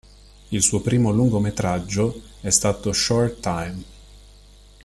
Il suo primo lungometraggio è stato Short Time.